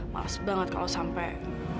males banget kalau sampai